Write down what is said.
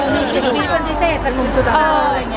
มีพี่เป็นพิเศษจะหนุ่มชุดเท้าอะไรอย่างเงี้ย